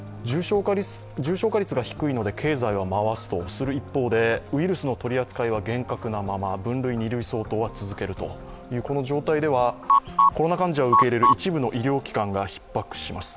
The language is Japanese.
重症化率が低いので経済は回すとする一方でウイルスの取り扱いは厳格なまま、分類２類相当は続けるという状態ではコロナ患者を受け入れる一部の医療機関がひっ迫します。